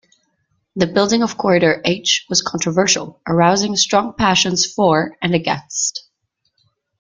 The building of Corridor H was controversial, arousing strong passions for and against.